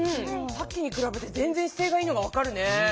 さっきにくらべてぜんぜん姿勢がいいのが分かるね。